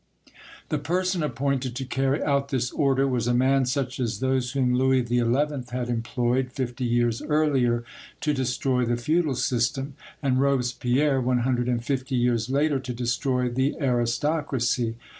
The person appointed to carry out this order was a man such as those whom Louis XI. had employed fifty years earlier to destroy the feudal system, and Robespierre one hundred and fifty years later to destroy the aristocracy.